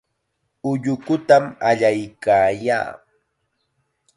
Ullukutam allaykaayaa.